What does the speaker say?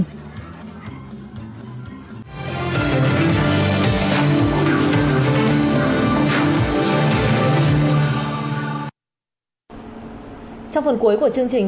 trong phần cuối của chương trình